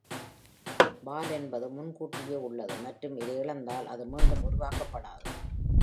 வால் என்பது முன்கூட்டியே உள்ளது மற்றும் அதை இழந்தால், அது மீண்டும் உருவாக்கப்படாது